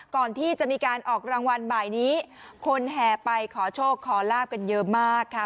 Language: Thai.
ก่อนที่จะมีการออกรางวัลบ่ายนี้คนแห่ไปขอโชคขอลาบกันเยอะมากค่ะ